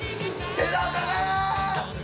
背中が！